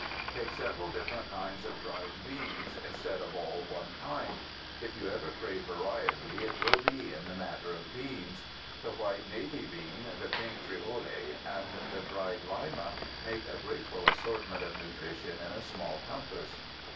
Take several different kinds of dried beans instead of all one kind. If you ever crave variety it will be in the matter of beans. The white navy bean, the pink frijole, and the dried lima make a grateful assortment of nutrition in a small compass.